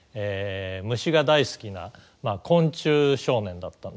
虫が大好きな昆虫少年だったんですね。